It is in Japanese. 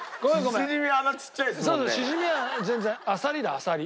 そうだシジミは全然アサリだアサリ。